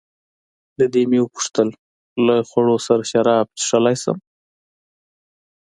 له دې مې وپوښتل: له خوړو سره شراب څښلای شم؟